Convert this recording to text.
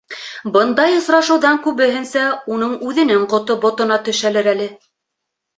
Бындай осрашыуҙан күбеһенсә уның үҙенең ҡото ботона төшәлер әле.